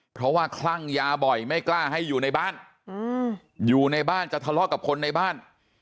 เพราะว่าคลั่งยาบ่อยไม่กล้าให้อยู่ในบ้านอยู่ในบ้านจะทะเลาะกับคนในบ้าน